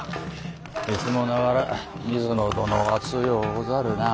いつもながら水野殿は強うござるなあ。